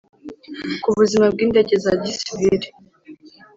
ku buzima bw indege za gisivili